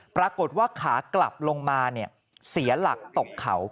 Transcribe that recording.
ปรากฏว่าขากลับลงมาเสียหลักตกเขา